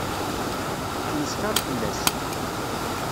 Tettmesxiṛ fell-as.